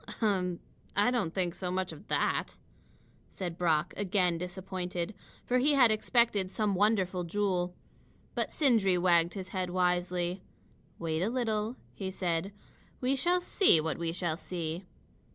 "Um! I don't think so much of that," said Brock, again disappointed, for he had expected some wonderful jewel. But Sindri wagged his head wisely. "Wait a little," he said. "We shall see what we shall see."